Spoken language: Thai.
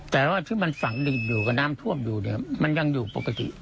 แต่ว่าที่มันฝังดินอยู่กับน้ำท่วมอยู่เนี่ยมันยังอยู่ปกติ